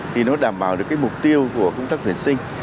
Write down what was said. thì nó đảm bảo được cái mục tiêu của công tác tuyển sinh